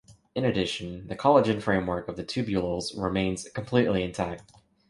In addition, the collagen framework of the tubules remains completely intact.